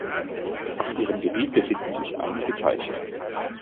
Auf ihrem Gebiet befinden sich einige Teiche.